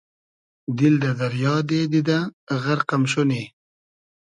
دیل دۂ دئریا دې دیدۂ غئرق ام شونی